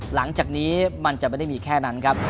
หลังจากนี้มันจะไม่ได้มีแค่นั้นครับ